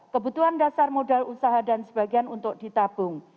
kebutuhan dasar modal usaha dan sebagian untuk ditabung